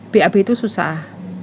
pernah bab itu susah